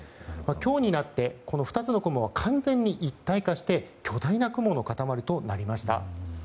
今日になってこの２つの雲は完全に一体化して巨大な雲の塊となりました。